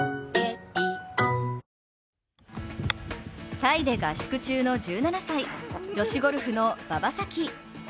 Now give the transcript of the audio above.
タイで合宿中の１７歳女子ゴルフの馬場咲希。